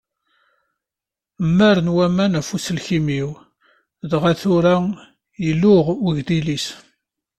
Mmaren waman ɣef uselkim-iw dɣa tura yelluɣ wegdil-is.